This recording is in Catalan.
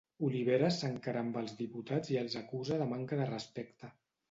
Oliveres s'encara amb els diputats i els acusa de manca de respecte